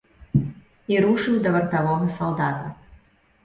І рушыў да вартавога салдата.